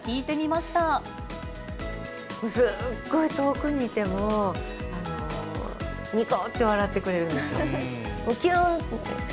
すっごい遠くにいても、にこって笑ってくれるんですよ。